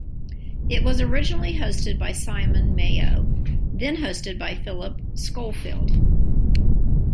It was originally hosted by Simon Mayo then hosted by Phillip Schofield.